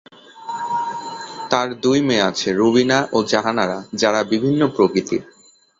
তার দুই মেয়ে আছে- রুবিনা ও জাহানারা যারা বিভিন্ন প্রকৃতির।